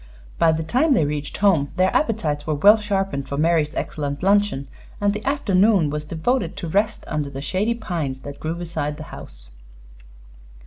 By the time they reached home their appetites were well sharpened for Mary's excellent luncheon, and the afternoon was devoted to rest under the shady pines that grew beside the house.